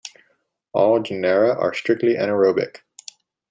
All genera are strictly anaerobic.